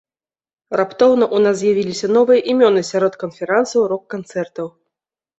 Раптоўна ў нас з'явіліся новыя імёны сярод канферансаў рок-канцэртаў.